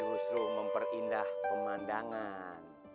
justru memperindah pemandangan